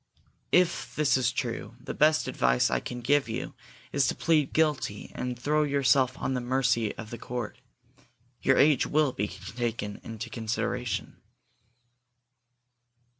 If this is true, the best advice I can give you is to plead guilty and throw yourself on the mercy of the court. Your age will be taken into consideration."